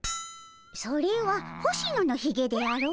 それは星野のひげであろ？